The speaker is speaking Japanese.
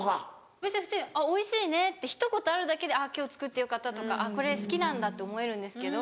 別に普通に「おいしいね」ってひと言あるだけで「今日作ってよかった」とか「これ好きなんだ」と思えるんですけど。